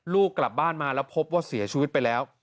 ลูกกลับบ้านมาแล้วพบว่าเสียชีวิตไปแล้ว